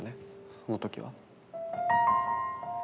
その時は。